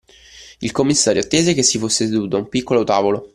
Il commissario attese che si fosse seduto a un piccolo tavolo